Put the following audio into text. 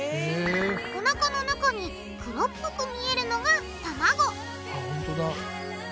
おなかの中に黒っぽく見えるのが卵ほんとだ。